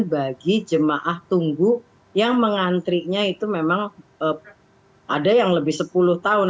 bagi jemaah tunggu yang mengantrinya itu memang ada yang lebih sepuluh tahun